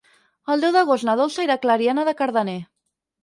El deu d'agost na Dolça irà a Clariana de Cardener.